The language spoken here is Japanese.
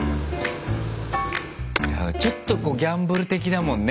ちょっとギャンブル的だもんね